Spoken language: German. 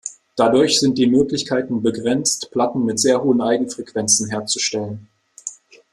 Dadurch sind die Möglichkeiten begrenzt, Platten mit sehr hohen Eigenfrequenzen herzustellen.